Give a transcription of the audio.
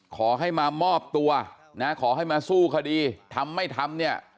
ขอให้มามอบตัวนะขอให้มาสู้คดีทำไม่ทำเนี่ย